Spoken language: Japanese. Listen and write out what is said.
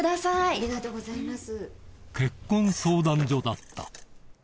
ありがとうございます。